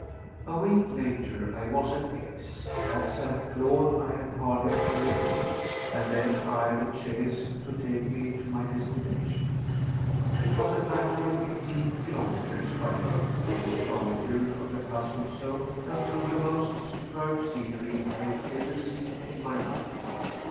2. A week later I was at Gex. At St. Claude I had parted from Leroux, and then hired a chaise to take me to my destination. It was a matter of fifteen kilometres by road over the frontier of the customs zone and through the most superb scenery I had ever seen in my life.